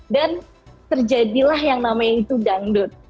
dan terjadilah yang namanya itu dangdut